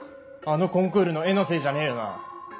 あのコンクールの絵のせいじゃねえよな？